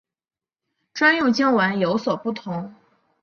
专用经文有所不同。